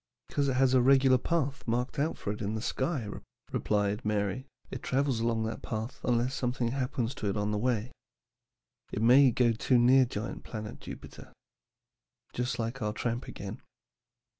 "Because it has a regular path marked out for it in the sky," replied Mary, "and it travels along that path unless something happens to it on the way. It may go too near giant planet Jupiter. Just like our tramp again.